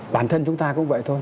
bản thân chúng ta cũng vậy thôi